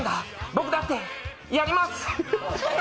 僕だってやります！